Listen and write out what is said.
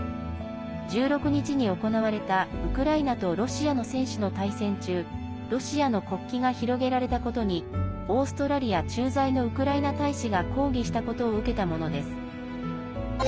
１６日に行われた、ウクライナとロシアの選手の対戦中ロシアの国旗が広げられたことにオーストラリア駐在のウクライナ大使が抗議したことを受けたものです。